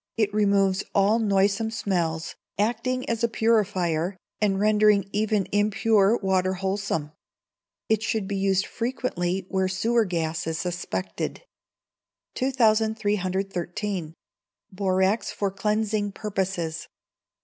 it removes all noisome smells, acting as a purifier, and rendering even impure water wholesome. It should be used frequently where sewer gas is suspected. 2313. Borax for Cleansing Purposes.